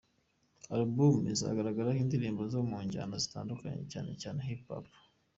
alubumu izagaragaraho indirimbo zo mu njyana zitandukanye cyane cyane hip hop.